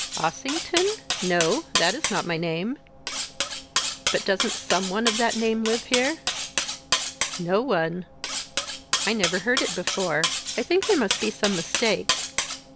"Ossington? No that is not my name." "But doesn't some one of that name live here?" "No one. I never heard it before. I think there must be some mistake."